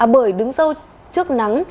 bởi đứng sâu trước nắng